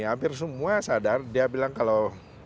hampir semua sadar dia bilang kalau